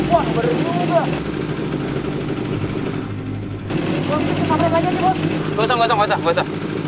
wah berat juga